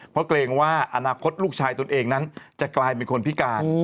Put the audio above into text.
เพราะเกรงว่าอนาคตลูกชายตนเองนั้นจะกลายเป็นคนพิการ